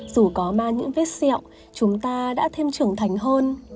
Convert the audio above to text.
dù có mang những vết sẹo chúng ta đã thêm trưởng thành hơn